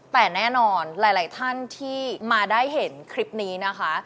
แต่แน่นอนหลายท่านที่มาได้เห็นคลิปนี้นะคะ